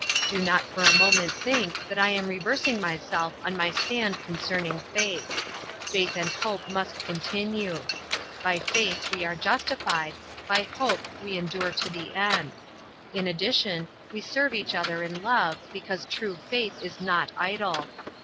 Do not for a moment think that I am reversing myself on my stand concerning faith. Faith and hope must continue. By faith we are justified, by hope we endure to the end. In addition we serve each other in love because true faith is not idle.